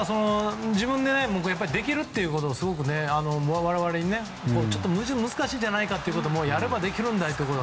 自分でできるとすごく我々にね難しいんじゃないかということをやればできるという。